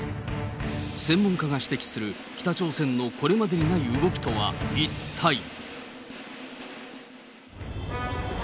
専門家が指摘する、北朝鮮のこれまでにない動きとは一体。